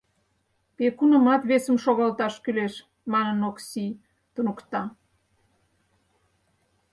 Пекунымат весым шогалташ кӱлеш, — манын, Оксий туныкта.